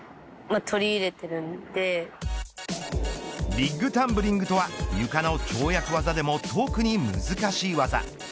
ビッグタンブリングとは床の跳躍技でも特に難しい技。